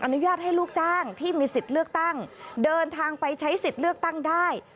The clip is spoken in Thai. อนุญาตให้ลูกจ้างที่มีสิทธิ์เลือกตั้งเดินทางไปใช้สิทธิ์เลือกตั้งได้